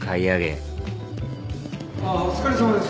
あっお疲れさまです。